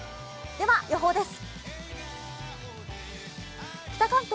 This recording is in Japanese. では、予報です。